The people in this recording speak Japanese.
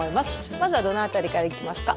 まずはどの辺りからいきますか？